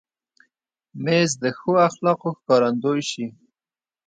مېز د ښو اخلاقو ښکارندوی شي.